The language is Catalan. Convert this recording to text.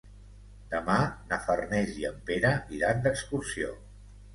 Demà na Farners i en Pere iran d'excursió.